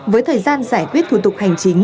với thời gian giải quyết thủ tục hành chính